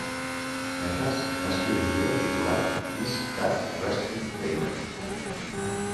Perras va escriure un llibre titulat "Is That Wrestling Fake"